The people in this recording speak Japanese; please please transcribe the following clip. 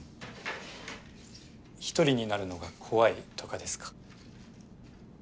１人になるのが怖いとかですか